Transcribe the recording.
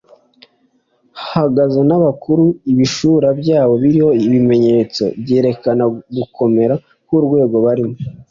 hahagaze n'abakuru ibishura byabo biriho ibimenyetso byerekana gukomera k'urwego barimo